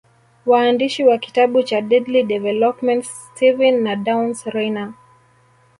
Waandishi wa kitabu cha Deadly Developments Stephen na Downs Reyna